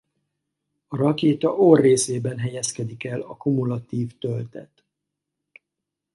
A rakéta orr-részében helyezkedik el a kumulatív töltet.